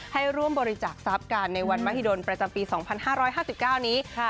ให้ร่วมบริจาคสาปการณ์ในวันมหิดลประจำปีสองพันห้าร้อยห้าสิบเก้านี้ค่ะ